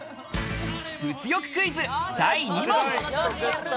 物欲クイズ第２問。